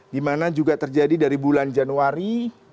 di mana juga terjadi dari bulan januari